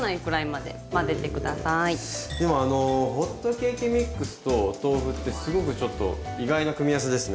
でもホットケーキミックスとお豆腐ってすごくちょっと意外な組み合わせですね。